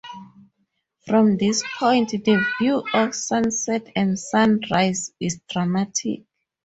From this point, the view of sunset and sunrise is dramatic.